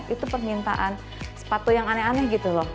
itu permintaan sepatu yang aneh aneh gitu loh